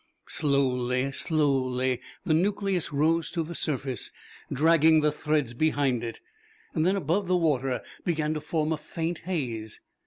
Slowly, slowly, the nucleus rose to the surface, dragging the threads behind it. Then above the water began to form a faint haze.